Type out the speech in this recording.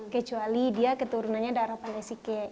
kecuali dia keturunannya daerah pandai sike